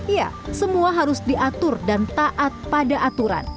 ya semua harus diatur dan taat pada aturan